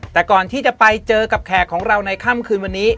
แต่ก่อนที่จะไปเจอกับแขกของเราในค่ำคืนวันนี้